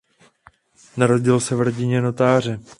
Narodil se v rodině notáře.